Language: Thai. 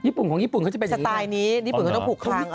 ยิปุ่นของยิปุ่นเขาจะเป็นอย่างไรนะสไตล์นี้ยิปุ่นเขาต้องผูกค้าง